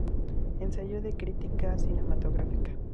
Ensayo de crítica cinematográfica